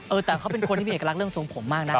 เออแต่เขาเป็นคนที่มีเอกลักษณ์ทรงผมมากนะ